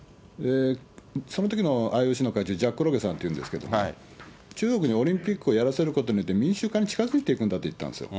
そのときのＩＯＣの会長、ジャック・ロペさんっていうんですけれども、中国にオリンピックやらせることによって、民主化に近づいていくと言ったんですよ。